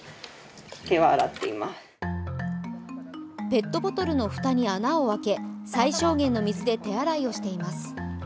ペットボトルの蓋に穴を開け最小限の水で手洗いをしています。